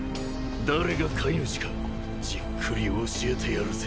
誰が飼い主かじっくり教えてやるぜ。